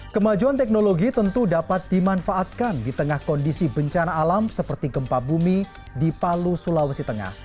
kemajuan teknologi tentu dapat dimanfaatkan di tengah kondisi bencana alam seperti gempa bumi di palu sulawesi tengah